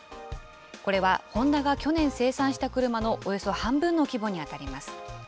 これはホンダが去年生産した車のおよそ半分の規模に当たります。